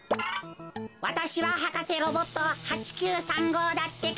わたしははかせロボット８９３ごうだってか。